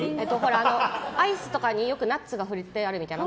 アイスとかによくナッツが振ってあるみたいな。